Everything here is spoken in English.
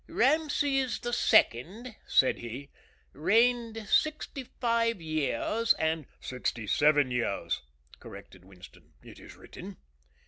"Rameses the Second," said he, "reigned sixty five years, and " "Sixty seven years," corrected Winston. "It is written."